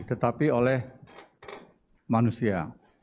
tetapi oleh manusia